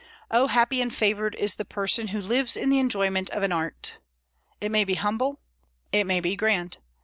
Oh, happy and favored is the person who lives in the enjoyment of an art! It may be humble; it may be grand.